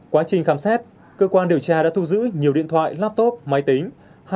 quá trình khám xét cơ quan điều tra đã thu giữ nhiều điện thoại laptop máy tính